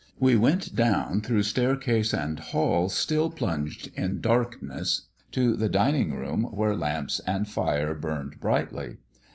We went down through staircase and hall, still plunged in darkness, to the dining room, where lamps and fire burned brightly.